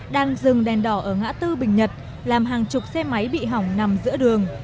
đang dừng đèn đỏ ở ngã tư bình nhật làm hàng chục xe máy bị hỏng nằm giữa đường